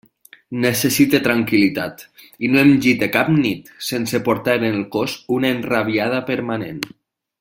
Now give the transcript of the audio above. Necessite tranquil·litat, i no em gite cap nit sense portar en el cos una enrabiada permanent.